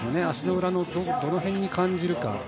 足の裏のどの辺に感じるか。